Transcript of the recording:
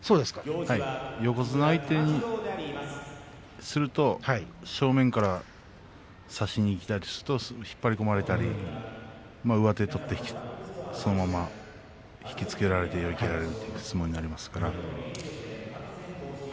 横綱相手にすると正面から差しにいったりすると引っ張り込まれたり上手を取ってそのまま引きつけられて寄り切られるという相撲になりますから。